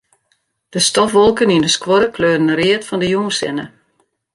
De stofwolken yn 'e skuorre kleuren read fan de jûnssinne.